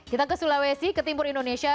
kita ke sulawesi ke timur indonesia